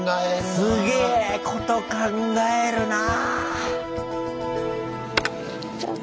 すげぇこと考えるな！